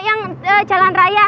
yang jalan raya